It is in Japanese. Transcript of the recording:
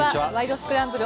スクランブル」